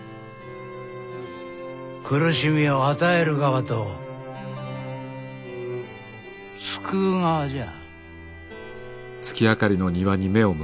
苦しみを与える側と救う側じゃ。